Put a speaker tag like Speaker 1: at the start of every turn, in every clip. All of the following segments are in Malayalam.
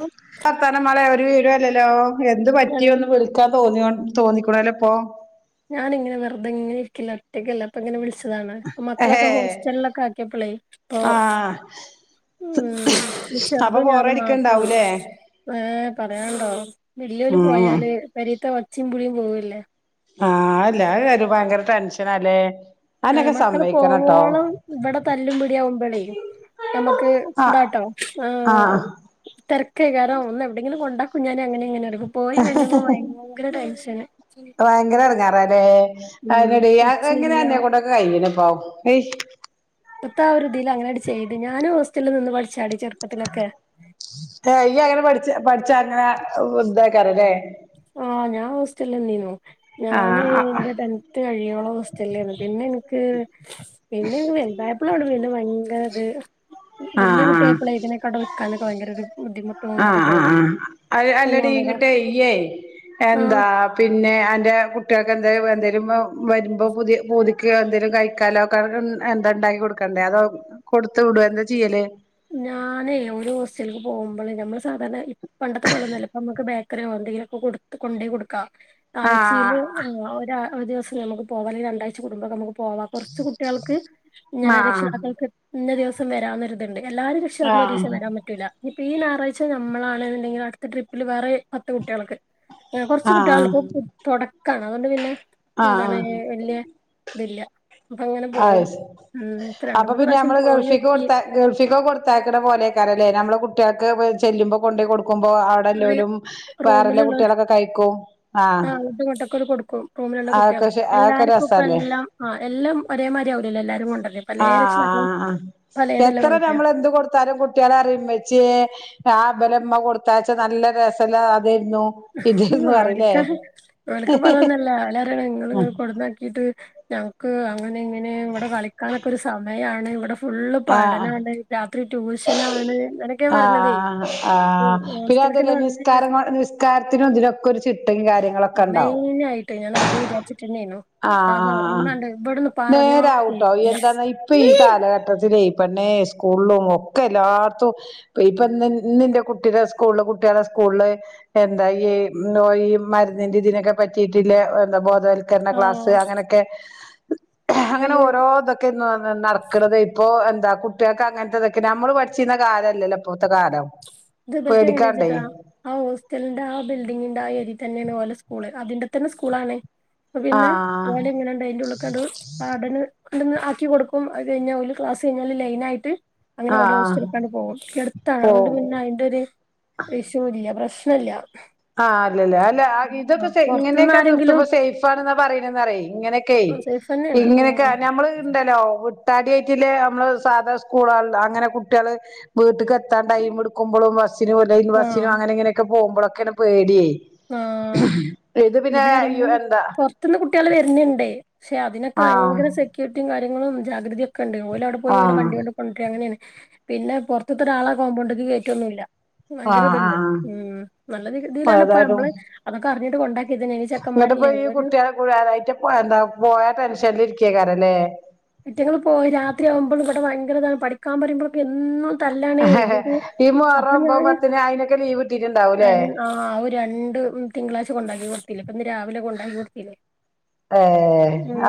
Speaker 1: എന്താ വർത്താനം മാളെ ഒര് വിവരോം ഇല്ലല്ലോ എന്ത്
Speaker 2: ഞാൻ
Speaker 1: പറ്റിയോ ഒന്ന് വിളി ക്കാൻ തോന്ന തോന്നിക്കൂണലോ ഇപ്പൊ
Speaker 2: ഞാൻ ഇങ്ങനെ വെറുതെ ഇങ്ങെനെ ഇരിക്കിലാണ് ഒറ്റക്കല്ലേ അപ്പൊ ഇങ്ങനെ വിളിച്ചതാണ്
Speaker 1: ഏഹേ
Speaker 2: മക്കളൊക്കെ ഹോസ്റ്റലിലൊക്കെ ആക്കിയപ്പോളേ ഇപ്പൊ
Speaker 1: ആ
Speaker 2: ഉം
Speaker 1: അപ്പൊ
Speaker 2: ചെറുതും ഞാന് മാത്ര ഉള്ളൂ
Speaker 1: ബോറടിക്കണ്ടാവൂലേ
Speaker 2: ഏഹ് പറയണ്ടോ വല്ലോല്
Speaker 1: ഉം
Speaker 2: പോയാല് പെരീത്തെ ഒച്ചയും വിളിയും പോവല്ലേ
Speaker 1: ആഹ് അല്ല അത് ഒരു ഭയങ്കര ടെൻഷനാല്ലേ
Speaker 2: ആഹ് മക്കള് പോവോളം ഇവിടെ തല്ലും പിടിയും ആവു മ്പളേ നമുക്ക്
Speaker 1: ആ
Speaker 2: ഇന്താട്ടോ
Speaker 1: ആ
Speaker 2: ആഹ് തിരക്കയ്കാരം ഒന്ന് എടെയെങ്കിലും ക്കൊണ്ടാക്കും ഞാന് അങ്ങനെ ഇങ്ങനെ പറയുമ്പം പോയി കഴിഞ്ഞപോ ഭയങ്കര ടെൻഷന്
Speaker 1: ഭയങ്കര എടറങ്ങാറാല്ലേ
Speaker 2: ഉം
Speaker 1: അതെന്നെടീ എങ്ങനെ
Speaker 2: ഒച്ചയില്ല
Speaker 1: അന്നെ കൊണ്ടൊക്കെ കഴിയ്ണെ ഇപ്പൊ അയ്
Speaker 2: ഇപ്പത്ത ആ ഒരുതില് അങ്ങനണ്ട് ചെയ്ത് ഞാനും ഹോസ്റ്റലിൽ നിന്ന് പഠിച്ചാടി ചെറുപ്പത്തിലൊക്കെ
Speaker 1: ഏഹ് ഇയ്യ് അങ്ങനെ പഠിച്ച പഠിച്ചാ അങ്ങനെ എന്തക്കാറല്ലേ
Speaker 2: ആഹ് ഞാൻ ഹോസ്റ്റലന്നീനു
Speaker 1: ആ
Speaker 2: ഞാന്
Speaker 1: ആ
Speaker 2: എന്റെ ടെൻ ത്ത് കഴിയോളം ഹോസ്റ്റലിൽ ആയിരുന്നു പിന്നെ എനിക്ക് പിന്നെ വലതായപ്പലൊള്ളൂ പിന്നെ ഭയങ്കര അത്
Speaker 1: ആ
Speaker 2: വല്യ
Speaker 1: ആ
Speaker 2: കുട്ടിയായപ്പളെ പിന്നെ ഇൻക്ക് അവിടെ നിൽക്കാനൊക്കെ ഭയങ്കര ഒരു ബുദ്ധിമുട്ട്
Speaker 1: ആഹ് ആഹ് ആഹ് അഹ് അല്ലടി
Speaker 2: ഇവിടെ
Speaker 1: ഇന്നട്ടെ ഇയ്യേ
Speaker 2: ആഹ്
Speaker 1: എന്താ പിന്നെ പിന്നെ അന്റെ കുട്ടികൾക്ക് എന്തും എന്തെലും വരുമ്പോ പുതിയ പൂതിക്ക് എന്തെലും കഴിക്കാലോ ക്കെ എന്താ ഉണ്ടാക്കി കൊടുക്കണ്ടേ അതോ കൊടുത്തു വിടോഎന്താ ചെയ്യല്
Speaker 2: ഞാനേ ഓര് ഹോസ്റ്റലിക്ക് പോകുമ്പോൾ ഞമ്മൾ സാധാരണ പണ്ടത്തെ പോലെൊന്നല്ല ഇപ്പ നമുക്ക് ബേക്കറിയോ എന്തെങ്കിലുക്കെ കൊടുത്ത് കൊണ്ടോയ് കൊടുക്കാം ആഴ്ചയിൽ
Speaker 1: ആഹ്
Speaker 2: ഒരാ ഒരു ദിവസം നമുക്ക് പോവാ അല്ലേൽ രണ്ടാഴ്ച കൂടൂമ്പം ഒക്കെ നമുക്ക് പോവാ കൊറച്ച് കുട്ടികൾക്ക് ഇങ്ങനെ
Speaker 1: ആഹ്
Speaker 2: രക്ഷിതാക്കൾക്ക് ഇന്ന ദിവസം വരാ ഒരിത്ണ്ട് എല്ലാ രക്ഷതാക്കളും ഒരു
Speaker 1: ആഹ്
Speaker 2: ദിവസം വരാൻ പറ്റ പറ്റൂല ഇനിപ്പ ഈ ഞായറാഴ്ച നമ്മളാണുണ്ടെങ്കിൽ അടുത്തട്രിപ്പില് വേറെ പത്ത് കുട്ടികൾക്ക് ഏഹ് കുറച്ച്
Speaker 1: ആഹ്
Speaker 2: കുട്ടികൾ
Speaker 1: ആഹ്
Speaker 2: ഒള്ളൂ ഇപ്പൊ തുടക്കാണ് അതുകൊണ്ട് പിന്നെ എന്താണ്
Speaker 1: ആഹ്
Speaker 2: വല്യ ഇതില്ല അപ്പങ്ങനെ
Speaker 1: ആഹ്
Speaker 2: പോവും
Speaker 1: അത്
Speaker 2: ഉം ഇപ്പം രണ്ട് മൂന്ന് പ്രാവശ്യം പോയി നോക്കി
Speaker 1: ഗൾഫിക്കോക്കെ കൊടുത്തയക്കുന്ന പോലെക്കാരല്ലേ നമ്മളെ കുട്ടികൾക്ക് ചെല്ലുമ്പോ കൊണ്ടേ കൊടു ക്കുമ്പോ
Speaker 2: അങ്ങനെ
Speaker 1: അവിടെല്ലോലും വേറെല്ല
Speaker 2: റൂമിലുള്ള
Speaker 1: കുട്ടികളൊക്കെ കഴിക്കും ആഹ്
Speaker 2: [unintelligible] കൊടുക്കും റൂമിലുള്ള
Speaker 1: അതൊക്കെ
Speaker 2: കുട്ടികൾക്ക്
Speaker 1: അതൊക്കെ
Speaker 2: എല്ലാർക്കും ഇപ്പ
Speaker 1: രസല്ലേ
Speaker 2: എല്ലം ആ എല്ലാം ഒരേമാതിരി ആവൂലല്ലോ എല്ലാരും കൊണ്ടു വരല്
Speaker 1: ആഹ് ആഹ് എത്ര
Speaker 2: കൊണ്ടരാ
Speaker 1: നമ്മൾ എന്ത് കൊടുത്താലും കു കുട്ടികളറിയെ വെച്ച് ആ ബലമ്മ കൊടുത്താച്ച നല്ല രസല്ല കറിയാരുന്നു
Speaker 2: അവര്ക്ക് അവൾക്ക് അവര്ക്ക് ഇപ്പം അങ്ങനെ ഒന്നുമില്ല അവള് പറയും ഇങ്ങള് കൊണ്ടുന്നാക്കിട്ട് ഞങ്ങക്ക് അങ്ങനെ ഇങ്ങനെ ഇവിടെ കളിക്കാനൊക്കെ ഒരു സമയാണ് ഇവിടെ ഫുള്ള്
Speaker 1: ആഹ്
Speaker 2: പഠനാണ് രാത്രി ട്യൂഷനാണ് ഇങ്ങനൊക്കെയാണ് പറഞ്ഞത്
Speaker 1: ആഹ് ആഹ് പിന്നെ അതല്ലേ നിസ്കാര നിസ്കാരത്തിനും അതിനൊക്കെ ഒരു ചിട്ടയും കാര്യം
Speaker 2: മുമ്പേനെ ആയിട്ട് ഞാനത് വിചാരിച്ചിട്ടേനു
Speaker 1: ആഹ് ആഹ് നേരാണുട്ടോ
Speaker 2: കേക്കൂല
Speaker 1: എന്താന്ന ഇപ്പ ഈ കാലഘട്ടം ട്ടത്തിലീ പെണ്ണേ സ്കൂളും ഒക്കെ എല്ലായിടത്തും ഇപ്പൊന്റെ ഇന്നെൻറെ കുട്ടിയുടെ സ്കൂളില് കുട്ടികളെ സ്കൂളില് എന്താ ഈ നോയി മരുന്നിന്റെ ഇതിനൊക്കെ പറ്റിയിട്ടില്ല എന്താ ബോധവൽക്കരണം ക്ലാസ്
Speaker 2: ആഹ്
Speaker 1: അങ്ങനൊക്കെ അങ്ങനെ
Speaker 2: പിന്നെ
Speaker 1: ഓരോെന്ന് നടക്കണത് ഇപ്പോ എന്താ കുട്ടികൾക്ക് അങ്ങനത്തെതൊക്കെ നമ്മൾ പഠിച്ചിരുന്ന കാലംല്ലല്ലോ ഇപ്പോഴത്തെ കാലം
Speaker 2: ഇത് ഇവൾക്ക് എങ്ങനെ
Speaker 1: പേടിക്കാണ്ടേ
Speaker 2: വെച്ചിട്ടാ- ആ ഹോസ്റ്റലിന്റെ ആ ബിൽഡിങ്ങിന്റെ ആ ഏരിയൽ തന്നെയാണ് ഓലെ സ്കൂള് അതിന്റെ തന്നെ സ്കൂൾ ആണ് അപ്പപിന്നെ
Speaker 1: ആഹ്
Speaker 2: ഓലെ എങ്ങനെണ്ട് അയിന്റെ ഉള്ളക്കെടന്ന് വാർഡന് കൊണ്ടന്ന് ആക്കി കൊടുക്കും അത് കഴിഞ്ഞാല് ക്ലസ് കഴിഞ്ഞാല് ലൈൻ ആയിട്ട് അങ്ങനെ ഓരെ
Speaker 1: ആഹ്
Speaker 2: ഹോസ്റ്റലക്കാണ് ഹോസ്റ്റലടുത്താണ് അതൊണ്ട്
Speaker 1: പോവും
Speaker 2: പിന്നെ- ഒരു വിഷയവും ഇല്ല പ്രശ്നല്ല-
Speaker 1: ആഹ് അല്ല അല്ല ഇതൊക്കെ
Speaker 2: ആഹ് പൊറത്ത്ന്ന്
Speaker 1: ഇങ്ങനെയൊക്കെ
Speaker 2: ആരെങ്കിലും
Speaker 1: നിർത്തുമ്പോ സേഫാണെന്ന് പറയണന്ന് പറയ് ഇങ്ങനെക്കെ-
Speaker 2: സേഫന്നെയാണ്
Speaker 1: ഇങ്ങനെയൊക്കെ
Speaker 2: ഉം
Speaker 1: ഞമ്മള് ഇണ്ടല്ലോ [unintelligible] എയ്റ്റില് നമ്മള് സാധാ സ്കൂളാണല്ലൊ അങ്ങനെ കുട്ടികള്- വീട്ട് ക്ക് എത്താൻ ടൈം എടുക്കുമ്പളും മനസ്സിന് - ലൈ ബസിനോ
Speaker 2: ആഹ്
Speaker 1: അങ്ങനെയിങ്ങെനൊക്കെ പോക്മ്പളൊക്കെ പേടിയായി
Speaker 2: ആഹ്
Speaker 1: ഇത് പിന്നെ എന്താ
Speaker 2: പുറത്തുന്ന് കുട്ടികൾ വരുന്നുണ്ടേ പക്ഷെ അതിനൊക്കെ
Speaker 1: ആഹ്
Speaker 2: ഭയങ്കര സെക്യൂരിറ്റിയും കാര്യങ്ങളും ജാഗ്രതയൊക്കെ ഉണ്ടേ ഒലവിടെ- പോ പോലെ
Speaker 1: ആഹ്
Speaker 2: വണ്ടി കൊണ്ട് കൊണ്ട അങ്ങനെയാണ് പിന്നെ പുറത്തൂന്നൊരാളെ കോമ്പൗണ്ടക്ക് കയറ്റൊന്നുമില്ല
Speaker 1: ആഹ്
Speaker 2: ഭയങ്കരത്ണ്ട് ഉം നല്ല
Speaker 1: ആഹ്
Speaker 2: രീതിയിലാണ് ഇപ്പ
Speaker 1: ഏതായാലും
Speaker 2: നമ്മള് അതൊക്കെ അറിഞ്ഞിട്ട് കൊണ്ടാക്കിയതല്ലേ ഇനി ചെറ്ക്കന്മാരല്ലേ ഓര്-
Speaker 1: പോഴാനായിട്ട് പോ എന്താ പോയ ടെൻഷനിൽ ഇരിക്കേയാണില്ലേ
Speaker 2: ഐറ്റങ്ങൾ പോയി രാത്രിയാകുമ്പം ഇവിടെ ഭയങ്കര ഇതാണ് പഠിക്കാൻ പറയുമ്പോഴൊക്കെ എന്നും തല്ലാണേ ഇവര്
Speaker 1: ഈ മുഹറം
Speaker 2: അപ്പൊ
Speaker 1: ഒമ്പത്
Speaker 2: ഞാന്
Speaker 1: പത്തിന് അയിനൊക്കെ ലീവ് ഇട്ടിട്ടുണ്ടാവൂലേ
Speaker 2: ആഹ് ഒരു രണ്ട് തിങ്കളാഴ്ച കൊണ്ടാക്കി കൊടുത്തില്ലേ ഇപ്പൊ ഇന്ന് രാവിലെ കൊണ്ടാക്കി കൊടുത്തില്ലേ
Speaker 1: ഏ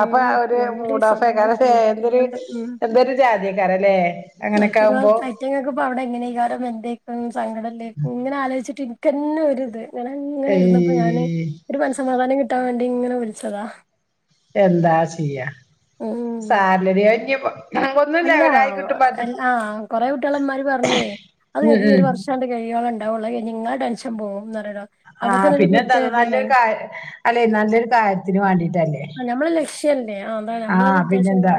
Speaker 1: അപ്പൊ അവരു
Speaker 2: രണ്ടീസം
Speaker 1: മൂടോഫായിക്കാണും അത എന്തൊരു
Speaker 2: മൂന്നീസം ഉം
Speaker 1: എന്തൊരു ജാതിക്കാരല്ലേ അങ്ങനൊക്കെ
Speaker 2: ഐറ്റങ്ങൾ
Speaker 1: ആകുമ്പോ
Speaker 2: ഐറ്റങ്ങൾക്ക് ഇപ്പ അവിടെ എങ്ങനെയ കാലം എന്തേക്കും സങ്കടംന്തേക്കും ഇങ്ങനെ ആലോചിട്ട് എനിക്ക് തന്നെ ഒരിത് അങ്ങനെ ഇങ്ങനെ ഇര്ന്നപ്പൊ ഞാന്
Speaker 1: ഏയ്
Speaker 2: ഒരു മനസമാധാനം കിട്ടാൻ വേണ്ടി ഇങ്ങനെ വിളിച്ചതാ
Speaker 1: എന്താ ചെയ്യാ സാഹചര്യം പ്പോ-
Speaker 2: അല്ലാ ആഹ് കൊറെ കുട്ടികളമാര് പറഞ്ഞേ അത്
Speaker 1: ഉം
Speaker 2: എനിക്ക് ഈരു
Speaker 1: ഉം
Speaker 2: വർഷ കഴിയ്മ്പോഴെ ഉണ്ടാവുള്ളു ഇനി നിങ്ങടെ ടെൻഷൻ പോകും എന്ന് പറഞ്ഞുല്ലോ
Speaker 1: ആഹ് പിന്നെ എന്താന്ന നല്ലൊരു കാര് അല്ലെ നല്ലൊരു കാര്യത്തിന് വേണ്ടീട്ടല്ലേ
Speaker 2: നമ്മടെ ലക്ഷ്യ അല്ലേ ആഹ്
Speaker 1: ആഹ് പിന്നെന്താ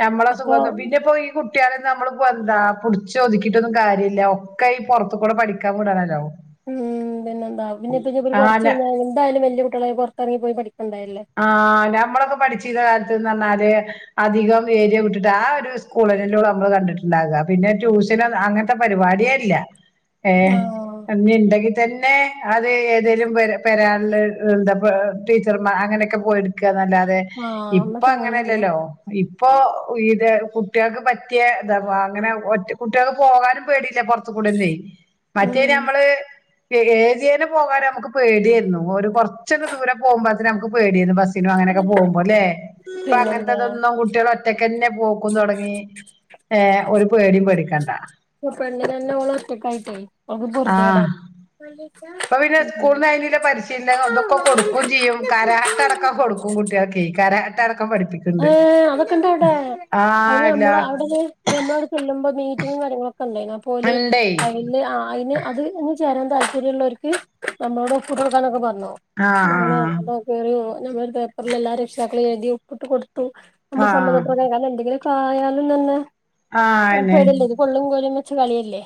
Speaker 1: ഞമ്മളെ
Speaker 2: അപ്പൊ
Speaker 1: സുഖൊക്കെ പിന്നെപ്പോ ഈ- കുട്ടികളും നമ്മള് എന്താ പുടിച്ചൊതിക്കിട്ടൊന്നും കാര്യമില്ല ഒക്കെ ഈ പുറത്ത് കൂടെ പഠിക്കാൻ വിടാനല്ലോ
Speaker 2: ഉം പിന്നെന്താ പിന്നെപ്പ പി കുറച്ച് ക എന്തായാലും വല്യ കുട്ടികളെ പുറത്തിറങ്ങി പോയി പഠിക്കണ്ടായല്ലേ
Speaker 1: ആഹ് നമ്മളൊക്കെ പഠിച്ചിര്ന്ന കാര്യത്ത്ന്ന് പറഞ്ഞാല് അധികം ഏരിയ വിട്ടിട്ട്. ആ ഒരു സ്കൂളൂടെ നമ്മള് കണ്ടിട്ടുണ്ടാകുക. പിന്നെ ട്യൂഷന അങ്ങനെ പരിപാടിയെഇല്ല
Speaker 2: [inaudible]
Speaker 1: ഏ് എന്തേഇണ്ടാക്കി തന്നെ അത് ഏതെലും പെരാള്ല് ടീച്ചർമാർ. അങ്ങനെയൊക്കെ പോയി എടുക്കുകന്നല്ലാതെ
Speaker 2: ആ
Speaker 1: ഇപ്പ
Speaker 2: അന്നൊക്കെ അങ്ങനെയായിരുന്നു
Speaker 1: അങ്ങനെല്ലല്ലോ. ഇപ്പൊ ഇത് കുട്ട്യാക്ക് പറ്റേഇതാ അങ്ങനെ ഒ കുട്ട്യാ ക്ക് പോകാനും പേടിയില്ല പൊറ കൊട ന്നേയ്.
Speaker 2: [inaudible]
Speaker 1: മറ്റേ നമ്മള്. ഏരിതേനെ പോകാനും നമക്ക് പേടിഏര്ന്നു ഒരു കുറച്ഒക്കെ ദൂരം പോകുമ്പഴ്തിന് നമക്ക് പേടിയേരുന്നു ബ അങ്ങനെയൊക്കെ പോകുമ്പോ അല്ലേ അപ്പൊ
Speaker 2: പിന്നെന്താ
Speaker 1: അങ്ങനത്തെന്നും കുട്ട്യോളൊറ്റ ഒറ്റക്കന്നെ പോക്കും തുടങ്ങി ഏ ഒരു പേടിം പേടിക്കണ്ട.
Speaker 2: പെണ്ണിനന്നെ ഓള് ഒറ്റക്കായിട്ടേ ഓൾക് പോർദ്യെടാൻ.
Speaker 1: അപ്പൊ പിന്നെ സ്കൂള്ന്ന്അതിനുള്ള പരിശീലനം ഇതൊക്കെ കൊടുക്കുചെയും കാ കാരാട്ട അടക്കം കൊടുക്കും കുട്ട്യോൾക്കെയ് കാരാട്ടാ അടക്കം പഠിപ്പിക്കും.
Speaker 2: ഏഹ അതൊക്കെ ഇണ്ട് അവിടെ അതിന്
Speaker 1: അല്ല
Speaker 2: നമ്മള് അവിടെ. നമ്മള് അവടെ ചല്ലുമ്പോ മീറ്റിങ്ങും കാര്യങ്ങളൊക്കെ ഉണ്ടായിന്നു. അ പോല്
Speaker 1: ഇണ്ടേ
Speaker 2: അതില് അതിന് അത്. ചേരാൻ താല്പര്യം ഉള്ളവർക്ക് നമ്മളോട് ഒപ്പ് ഇട്ട് കൊടുക്കാനൊക്കെ പാറഞ്ഞു
Speaker 1: ആഹ്
Speaker 2: അങ്ങനെ. നമ്മള് പേപ്പറില് എല്ലാ രക്ഷതാക്കളും എഴുതി ഒപ്പിട്ട് കൊടുത്തു നമ്മൾ
Speaker 1: ആഹ്
Speaker 2: സമ്മത
Speaker 1: ആഹ്
Speaker 2: പ്രകാരം അങ്ങിനെ എന്തെങ്കിലും. ആയാലും തന്നെ.
Speaker 1: ആഹ് അയന്നെ
Speaker 2: പേടിഅല്ലേ ഇത് കൊള്ളീം കോലും വെച്ച കളില്ലേ.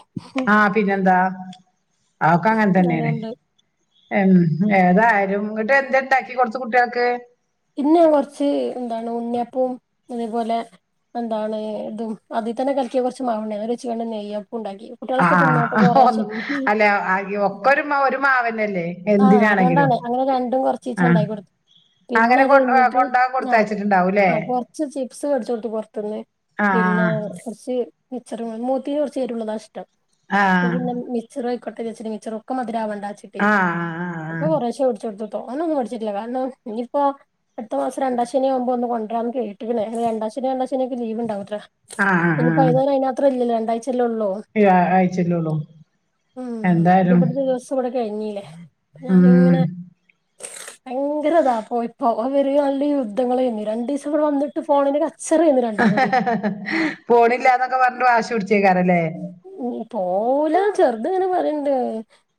Speaker 1: ആ അതൊക്കെ അങ്ങൻ തന്നെ ഏണ്. ഉം ഏതായാലും ഇങ്ങിട്ട് എന്തേണ്ടാക്കി കൊടുത് കുട്ട്യാൾക്ക്.
Speaker 2: ഇന്ന് ഞാൻ കൊറച്ച് എന്താണ് ഉണ്ണിഅപ്പും അതേപോലെ. എന്താണ് ഇതും അതിൽ തന്നെ കലകെ കുറച്ച് മാവുണ്ടായി അത് വെച്ച് നെയ്യപ്പും ഉണ്ടാക്കി. കുട്ടികളൊക്കെ തിന്നോട്ടെ
Speaker 1: ആഹ ഒ
Speaker 2: കൊറേശെ
Speaker 1: അല്ലെ അരി ഒക്കരു ഒരു മാവനല്ലേ.
Speaker 2: ആഹ് അതോണ്ടാനെയ് അങ്ങനെ രണ്ടും കൊറചീചെ
Speaker 1: ആ
Speaker 2: ഉണ്ടാകി കൊടുത്തു. പിന്നെ
Speaker 1: അങ്ങനെ
Speaker 2: അത്
Speaker 1: കൊ
Speaker 2: കഴഞ്ഞിട്ട്.
Speaker 1: കൊണ്ടോവാൻ
Speaker 2: ആ.
Speaker 1: കൊടുത്തയച്ചിട്ടുണ്ടാവൂല്ലേ?
Speaker 2: ആ കൊറച്ച് ചിപ്സ് വേടിച്ചോട്ട്ത്ത് പോർത്ത്ന്ന്.
Speaker 1: ആ കൊണ്ടാവാൻ കൊടുത്തയച്ചിട്ടുണ്ടാവൂലേ? ആ
Speaker 2: പിന്നെ കുറച്ച്. മിച്ചറ് മൂത്തിന്ന് കൊറച്ച് എരുള്ളതാ ഇഷ്ടം
Speaker 1: ആ
Speaker 2: അപ്പ പിന്നെ. മിച്ചറും ആയിക്കോട്ടെ വിചാര്ച്ട്ട് മിച്ചർ ഒക്കെ മതിരാവടവിചാര്ച്ട്ട്.
Speaker 1: ആഹ ആ ആ.
Speaker 2: ഒക്കൊ കൊറേശെ വേട്ച് കൊടുത്ത് തോനെ ഒന്നും വെട് ച്ട്ടില്ല കാരണം നീപ്പൊ. അടുത്ത മാസം രണ്ടാ ശെനി ആകുബോ ഒന്ന് കൊണ്ടരാന്ന് കേട്ട് രണ്ടാശെനി രണ്ടാശെനി ലീവ്ണ്ടാവുത്യേ.
Speaker 1: ആ ആ
Speaker 2: ഇന്നിപ്പോ ഏതായാലുംഅതിനാത്രം ഇല്ലല്ലോ രണ്ടാഴ്ചയല്ലേ ഉള്ളൂ.
Speaker 1: അ അയച്ചല്ലോള്ളു എന്തായാലും.
Speaker 2: കഴിഞ്ഞില്ലേ
Speaker 1: ഉം
Speaker 2: ഞാനിങ്ങനെ ഭയങ്കര താ. ഓ ഇപ്പൊ അവര് നല്ല യുദ്ധങ്ങലെയ്ന്നു രണ്ട് ദിവസം ഇവിടെ വന്നിട്ട് ഫോണിന്ന് ക ച്ചറേയ്ന്ന്..
Speaker 1: പോണില്ല എന്നൊക്കെ പറഞ്ട്ട് വാശി പിടിച്ചേക്കാരല്ലേ.
Speaker 2: ഉ പോവൂല ചെറുത്ങ്ങനെ പറിണ്ട്.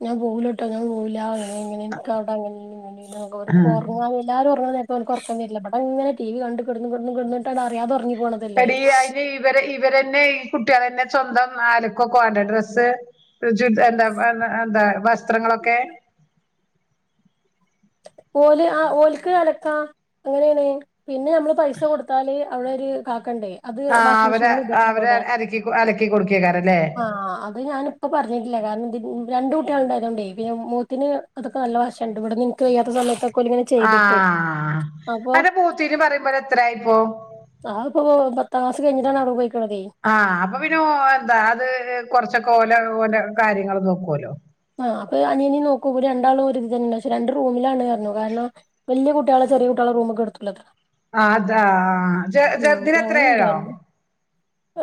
Speaker 2: ഞാൻ പോകുലോട്ടോ ഞാൻ പോക്കുല ഇക്ക വടെ അങ്ങനെണ് ഇങനെണ്ഉറങ്ങൻ
Speaker 1: ആ
Speaker 2: കയുല പറിം. എല്ലാരും ഒറഗ്ണനേരത്‌ ഓന്ക് ഒറക്കം വെരൂല ഇടെ ഇങ്ങനെ ടി വി കണ്ട് കെട്ന്ന് കെട്ന്ന് അറിയാതെ ഉറങ്ങി പോണതാ.
Speaker 1: എടി അ ഇവരെ ഇവരന്നെ ഈ കുട്ട്യാളന്നെ സ്വന്തം ആലക്കൊകെ വാണ്ടെ ഡ്രസ്സ്. ഇജു എന്താ എന്താ വസ്ത്രങ്ങളൊക്കെ.
Speaker 2: ഓല് ആ ഓൽക്ക് അടക്കാ അങ്ങനെണ് പിന്നെ നമ്മള് പൈസ കൊട്ത്താല്. അവ്ട ഒര് കാക്കണ്ട്. അത്
Speaker 1: ആഹ്
Speaker 2: വാഷിംഗ്
Speaker 1: അവര്
Speaker 2: മെഷീൻല് ഇടത്ര
Speaker 1: അവര്
Speaker 2: അവ്ടെ
Speaker 1: അലക്കി അലക്കി കൊടുക്കേക്കാരല്ലേ
Speaker 2: ആ. അ അത് ഞാനിപ്പ പർഞീല്ല കാരണം രണ്ട് കുട്ട്യാള് ഇണ്ടായതോണ്ടേയ് പിന്നെ മൂത്തിന് അതൊക്ക നല്ല വശണ്ട് ഇവട്ന്നി ക്ക് വെയ്യാത്ത സമയത്തൊ
Speaker 1: ആ അന്റെ മൂത്തീന് പറിമ്പയ എത്രാഴി ഇപ്പോ.
Speaker 2: അത് ഇപ്പൊ പത്താം ക്ലാസ്സ് കഴിഞ്ഞിട്ടാണ് അവടെ പോയിക്ക്ണതെയ്.
Speaker 1: ആ അപ്പൊ പിന്നെ ഓ എന്താ അത് കൊർച്ചൊക്ക ഓല ഓന്റെ കാര്യങ്ങള് നോക്കൊലോ
Speaker 2: ആ അപ്പ അനിയനി നോക്കും രണ്ടാളും ഒര്തന്നെ പക്ഷെ രണ്ട് റൂമിലാണ് പർഞ്ഞു കാര്ണം വല്ല്യ കുട്ടിയളെ ചെറീ കുട്ടിയള റൂമ്ക്ക് കട്ത്തൂലത്രെ
Speaker 1: ആതാ ചെ ചേർതിന് എത്രാഴി അറിയോ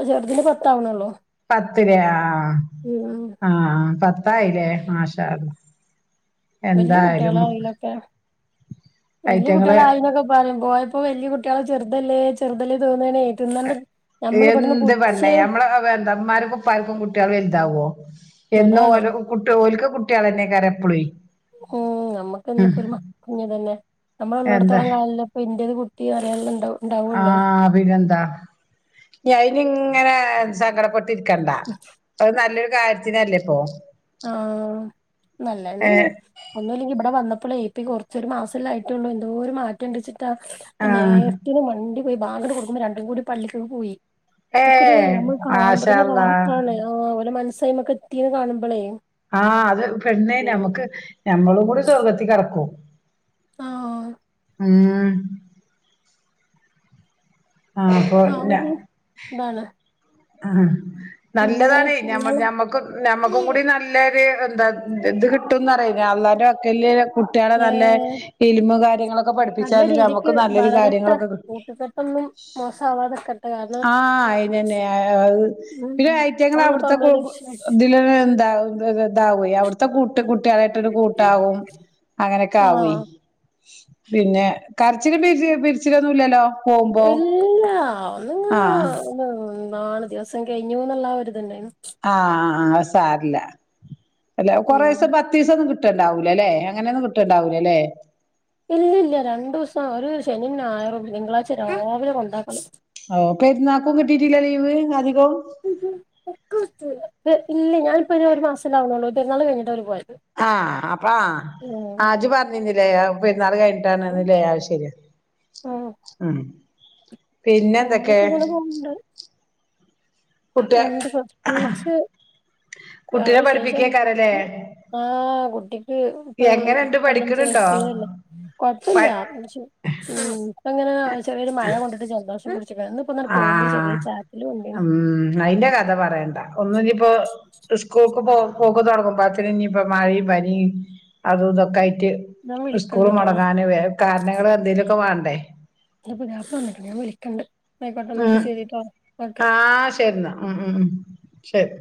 Speaker 2: ചെർദിന് പത്ത് ആവ്ണോള്ളൂ
Speaker 1: പത്തിലെ ആ ആ പത്തായിലെ മാഷാ അള്ളാഹ്
Speaker 2: വല്ല്യ കുട്ടിയളായലൊക്കെ വല്ല്യ കുട്ടിയള
Speaker 1: അയ്റ്റങ്ങള്
Speaker 2: ആയിന്നോക്കെ പറിം പോയ ഇപ്പൊ വല്ല്യ കുട്ടിയള് ചെർതല്ലേ ചേർതല്ലേ തോന്നാണേ തിന്നണ്ട്
Speaker 1: എന്ത് പെണ്ണെ നമ്മളെ എന്താ ഇമ്മാര്ക്കും ഇപ്പാര്ക്കും കുട്ടിയള് വൽതാവോ എന്നു
Speaker 2: അതാണ്
Speaker 1: ഓല കുട്ടി ഓൽക്ക് കുട്ടിയളെന്നെക്കാരം എപ്പുളൈ
Speaker 2: ഉം ഞമ്മക്ക് എന്ന് പ്പോര് മ കുഞ് തന്നെ നമ്മള
Speaker 1: എന്താ
Speaker 2: ഉള്ളോട്ത്തോളം കാലം അപ്പ ഇന്റര് കുട്ടി പറയാന്ണ്ടാവും
Speaker 1: ആ പിന്നെന്താ ഇഞ് അയിന് ഇങ്ങനെ സങ്കടപ്പെ ട്ട്ക്കണ്ട അത് നല്ലൊരു കാര്ത്തിനല്ലേ ഇപ്പോ
Speaker 2: ആ നല്ലന്നെണ് ഒന്നുല്ലെങ്കി ഇവട വന്നപ്പളേ പി കൊർച്ചൊരു മാസല്ലെ ആയിട്ടേള്ളൂ എന്തോ ഒരു മാറ്റം ഇണ്ട് വെച്ചിട്ടാ പ്പ
Speaker 1: ആഹ്
Speaker 2: നേര്ത്തിന് മണ്ടി പോയി ബാങ്കാണ്ട് കൊടുക്കുമ്പ രണ്ടും കൂടി പള്ളിക്കക്ക് പോയി അതൊക്കൊര്
Speaker 1: ഏഹ്
Speaker 2: നമ്മള് കാണുമ്പ
Speaker 1: മാഷാ
Speaker 2: തന്നെ
Speaker 1: അള്ളാ
Speaker 2: റാഹത്താണ് ആ ഓലെ മൻസ് അയ്മക്ക് എത്തീന്ന് കാണുമ്പളേ
Speaker 1: ആ അത് പെണ്ണേ ഞമ്മക്ക് ഞമ്മളും കൂടി സ്വർഗത്തി കടക്കും
Speaker 2: ആ ഓ
Speaker 1: ഉം ആ [unintelligible] ല
Speaker 2: താണ്
Speaker 1: ആ നല്ലതാണേ ഞമ്മ ഞമ്മക്കൊ ഞമ്മക്കും കൂടി ന ല്ലര് എന്താ ഇത് കിട്ടുംന്നറീലെ അള്ളാന്റെ പക്കൽല് കുട്ടിയളെ നല്ല
Speaker 2: ഏഹ്
Speaker 1: ഇൽമ് കാര്യങ്ങളൊക്ക
Speaker 2: നല്ല
Speaker 1: പഠിപ്പിച്ചാല്
Speaker 2: രീതിക്ക്
Speaker 1: ഞമ്മക്ക് നല്ലൊരു കാര്യങ്ങളൊക്ക കി
Speaker 2: മോസാവാതക്ക
Speaker 1: ആ അയിനന്നെ അത്
Speaker 2: ഉം
Speaker 1: പിന്നെ ഐറ്റങ്ങള്
Speaker 2: അതാണല്ലപ്പ
Speaker 1: അവ്ട്ത്തെ
Speaker 2: നമ്മളെ
Speaker 1: കു
Speaker 2: ലക്ഷ്യം
Speaker 1: ഇതിലന്നെ എന്താ ഇതാവോയ് അവ്ട്ത്തെ കൂട്ട കുട്ടിയളായിട്ടരു കൂട്ടാവും അങ്ങനെയെക്കെ
Speaker 2: ആഹ്
Speaker 1: ആവുയ് പിന്നെ കര്ച്ചിലും പിരിചി പിരിച്ചിലൊന്നുല്ലല്ലോ
Speaker 2: ഇല്ലാ
Speaker 1: ആഹ്
Speaker 2: നാണ് ദിവസം കഴിഞ്ഞുന്ന്ള്ള ആ ഇര്ത്ണ്ടായിന്നു
Speaker 1: ആ ആ ആ അത് സാരല്ല അല്ല
Speaker 2: ഉം
Speaker 1: കൊറെശ പ പത്തീസം ഒന്നും കിട്ട്ണ്ടാവൂല ലെ അങ്ങനെന്നും കിട്ടുണ്ടാവൂല ലെ
Speaker 2: ഇല്ലല്ല രണ്ടൂസം ഒര് ശനിം ഞായറും തിങ്കളാഴ്ച രവിലെ കൊണ്ടാക്കണം
Speaker 1: അവൂ പെര്ന്നാക്കും കിട്ടിട്ടില്ല ലീവ് അധികവും
Speaker 2: ഇല്ലേയ് ഞാനിപ്പയ്ന് ഒരു മാസല്ലാവണള്ളൂ പെരുന്നാള് കയ്ഞ്ഞിട്ട ഓല് പോയത്
Speaker 1: ആഹ് അപ്പ ആഹ്
Speaker 2: ഉം
Speaker 1: ആജു പർഞീന്നില്ലേ പെര്ന്നാള് കഴിഞ്ഞിട്ടയിര്ന്നല്ലോ ലേ ആഹ് ശരിയാ
Speaker 2: ഉം
Speaker 1: ഉം പിന്നെന്തൊക്കേ
Speaker 2: അങ്ങനൊക്കെ ഇങ്ങനെ
Speaker 1: കുട്ടിയ
Speaker 2: ഞങ്ങക്ക് പ്രത്യേകിച്ച്
Speaker 1: കുട്ടിനെ പഠിപ്പിക്കേക്കാരല്ലേ
Speaker 2: വേറെവിശേഷൊന്നുല്ലെങ്കി ആഹ് കുട്ടിക്ക് ഇപ്പൊ
Speaker 1: എങ്ങനെണ്ട്
Speaker 2: പതിനഞ്ച്
Speaker 1: പഠിക്കണുണ്ടോ
Speaker 2: വയസ്സായല്ലേ കൊഴപ്പില്ല,
Speaker 1: പ
Speaker 2: ന്ന്ച്ച് പ്പങ്ങനെ ചെറിയൊരു മഴ കൊണ്ടിട്ട് ജദോഷം പുട്ച്ചക്ക. ന്ന് പ്പന്നണ്ട് പോവുമ്പോ ചെറിയൊരു ചാറ്റല് കൊണ്ടീന്ന്
Speaker 1: അയ്ന്റെ കഥ പറയണ്ട. ഒന്നുന്നിപ്പോ സ്കൂൾക്ക് പോ പോക്ക് തൊടങ്ങുമ്പോത്തിന് ന്നിപ്പോ മഴയും പനിയും അതും തൊക്കായിട്ട്
Speaker 2: ഞാൻ
Speaker 1: സ്കൂൾ
Speaker 2: വിളിക്കണ്ട്ട്ടോ
Speaker 1: മുടങ്ങാന് വേ കാരണങ്ങളെന്തേങ്കലൊക്കെ വാണ്ടേ
Speaker 2: ന്റെ പുത്യാപ്ല വന്നിട്ട്ണ്ട് ഞാൻ വിളിക്കണ്ട്, ന്നാ ഐക്കോട്ടെ
Speaker 1: ഉം
Speaker 2: ന്നട്ട് ശരിട്ടോ ഓക്കെ
Speaker 1: ആഹ് ശരിന്ന ഉം ഉം ഉം ശരി